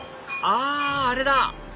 ああれだ！